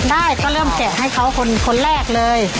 ได้ก็เริ่มแกะให้เขาคนแรกเลย